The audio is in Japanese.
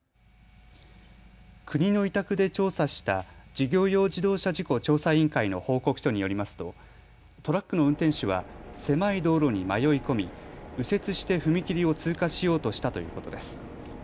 国の委託で調査した事業用自動車事故調査委員会の報告書によりますとトラックの運転手は狭い道路に迷い込み右折して踏切を通過しようとしたということです。